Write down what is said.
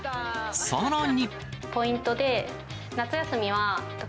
さらに。